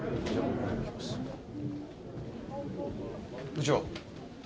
部長。